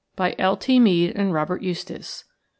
BY L. T. MEADE AND ROBERT EUSTACE.